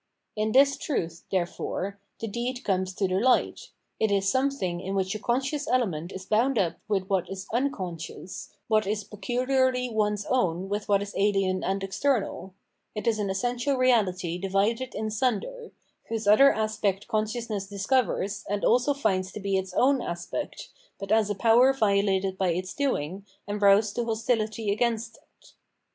In this truth, there fore, the deed comes to the light it is something in wMch a conscious element is bound up with what is unconscious, what is peculiarly one's own with what is ahen and external it is an essential reahty divided in sunder, whose other aspect consciousness discovers and also fiinds to be its own aspect, but as a power violated by its doing, and roused to hostihty against it.